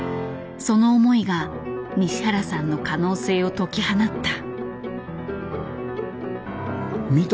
その思いが西原さんの可能性を解き放った。